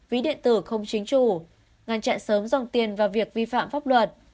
ví điện tử không chính chủ ngăn chặn sớm dòng tiền và việc vi phạm pháp luật